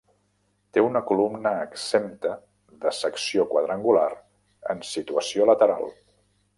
Té una columna exempta de secció quadrangular en situació lateral.